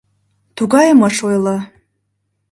— Тугайым ыш ойло.